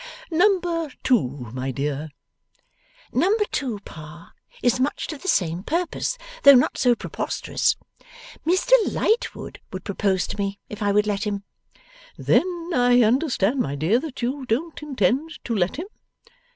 Number two, my dear?' 'Number two, Pa, is much to the same purpose, though not so preposterous. Mr Lightwood would propose to me, if I would let him.' 'Then I understand, my dear, that you don't intend to let him?